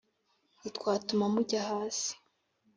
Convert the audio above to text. nitwatuma mujya hasi